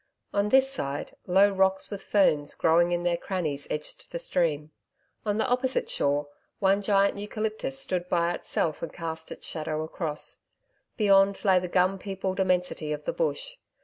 On this side, low rocks with ferns growing in their crannies, edged the stream. On the opposite shore, one giant eucalyptus stood by itself and cast its shadow across. Beyond, lay the gum peopled immensity of the bush.